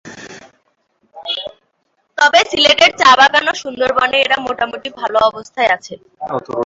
তবে সিলেটের চা-বাগান ও সুন্দরবনে এরা মোটামুটি ভালো অবস্থায় আছে।